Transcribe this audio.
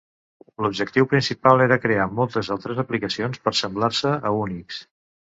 L'objectiu principal era crear moltes altres aplicacions per semblar-se a Unix.